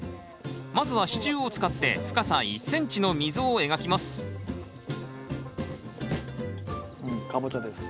まずは支柱を使って深さ１ｃｍの溝を描きますうんカボチャです。